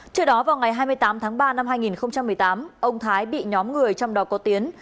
trước đó vào ngày hai mươi tám tháng ba năm hai nghìn một mươi tám ông thái bị nhóm người trong đó có tiến